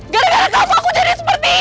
gara gara kamu aku jadi seperti ini